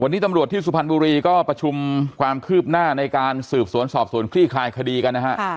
วันนี้ตำรวจที่สุพรรณบุรีก็ประชุมความคืบหน้าในการสืบสวนสอบสวนคลี่คลายคดีกันนะฮะ